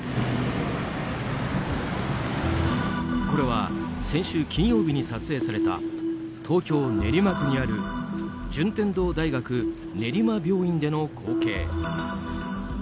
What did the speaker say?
これは先週金曜日に撮影された東京・練馬区にある順天堂大学練馬病院での光景。